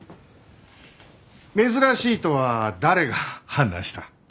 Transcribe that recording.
珍しいとは誰が判断した？